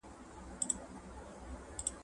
امبارکښ پرکوڅه پېښ سو د عطرونو ..